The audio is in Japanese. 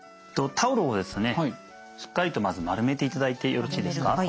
タオルをですねしっかりとまず丸めていただいてよろしいですか。